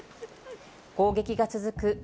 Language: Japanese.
攻撃が続く